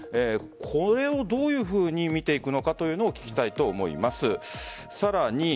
これをどういうふうに見ていくのかというのを聞きたいと思います。